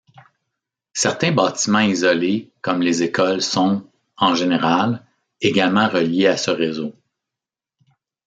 Certains bâtiments isolés comme les écoles sont, en général, également reliés à ce réseau.